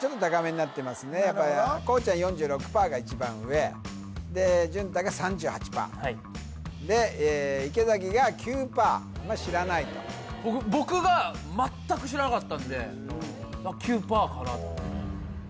なるほどこうちゃん４６％が一番上で淳太が３８％はいで池崎が９％あんまり知らないと僕が全く知らなかったんで９％かなと